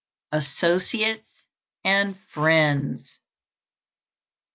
ASSOCIATES AND FRIENDS.